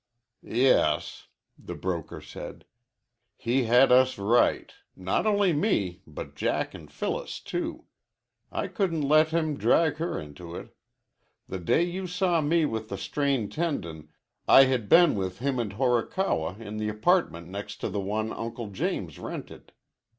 "Yes," the broker said. "He had us right not only me, but Jack and Phyllis, too. I couldn't let him drag her into it. The day you saw me with the strained tendon I had been with him and Horikawa in the apartment next to the one Uncle James rented.